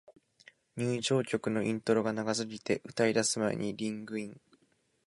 入場曲のイントロが長すぎて、歌い出す前にリングイン